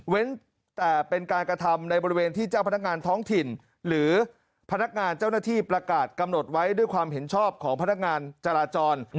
แต่เป็นการกระทำในบริเวณที่เจ้าพนักงานท้องถิ่นหรือพนักงานเจ้าหน้าที่ประกาศกำหนดไว้ด้วยความเห็นชอบของพนักงานจราจร